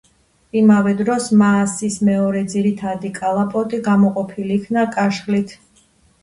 იმავე დროს მაასის მეორე ძირითადი კალაპოტი გამოყოფილი იქნა კაშხლით.